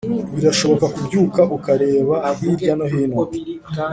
birashoboka kubyuka ukareba hirya no hino